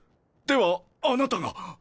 ではあなたが。